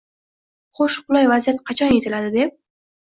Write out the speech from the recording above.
Xo‘sh, qulay vaziyat qachon yetiladi? — deb